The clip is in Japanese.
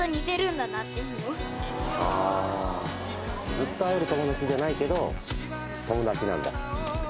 ずっと会える友達じゃないけど友達なんだ？